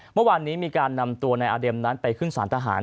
เมื่อวานนี้มีการนำตัวนายอาเด็มนั้นไปขึ้นสารทหาร